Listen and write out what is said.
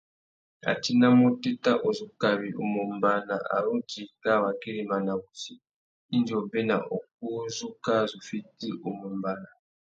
A tinamú otéta uzu kawi u mù ombāna a ru djï kā wa güirimana wussi indi obéna ukú u zu kā zu fiti u mù ombāna.